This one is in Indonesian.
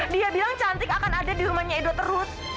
dia bilang cantik akan ada di rumahnya edo terus